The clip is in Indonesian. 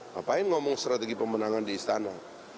ngapain ngomong strategi pemenangan di istana